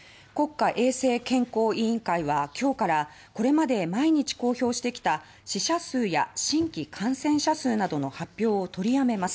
国家衛生健康委員会は今日からこれまで毎日公表してきた死者数や新規感染者数などの発表を取りやめます。